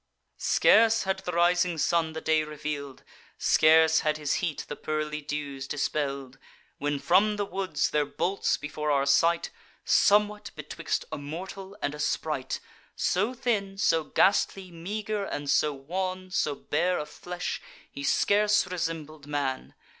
"Scarce had the rising sun the day reveal'd, Scarce had his heat the pearly dews dispell'd, When from the woods there bolts, before our sight, Somewhat betwixt a mortal and a sprite, So thin, so ghastly meager, and so wan, So bare of flesh, he scarce resembled man.